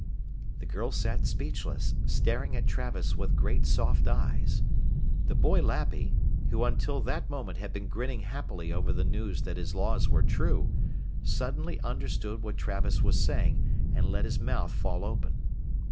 The girl sat speechless, staring at Travis with great soft eyes. The boy Lappy, who until that moment had been grinning happily over the news that his laws were true, suddenly understood what Travis was saying and let his mouth fall open.